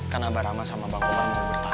karena abang rama sama bang kopar mau bertahun tahun